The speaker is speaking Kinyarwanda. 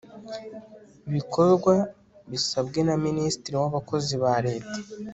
bikorwa bisabwe na minisitiri w'abakozi ba leta